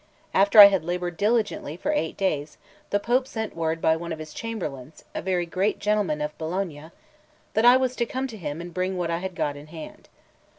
After I had laboured diligently for eight days, the Pope sent word by one of his chamberlains, a very great gentleman of Bologna, that I was to come to him and bring what I had got in hand.